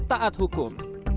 ini adalah alat hukum